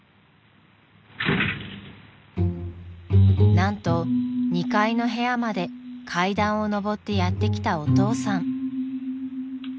［何と２階の部屋まで階段を上ってやって来たお父さん］